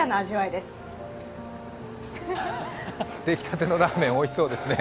できたてのラーメンおいしそうですね。